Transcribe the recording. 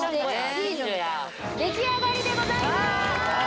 出来上がりでございます！